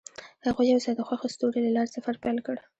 هغوی یوځای د خوښ ستوري له لارې سفر پیل کړ.